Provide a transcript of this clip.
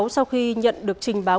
sau khi nhận được trình báo